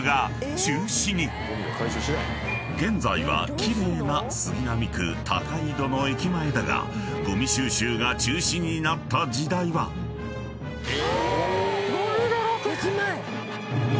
［現在は奇麗な杉並区高井戸の駅前だがゴミ収集が中止になった時代は］え！